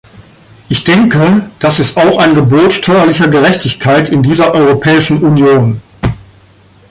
Ich denke, das ist auch ein Gebot steuerlicher Gerechtigkeit in dieser Europäischen Union.